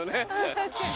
確かに。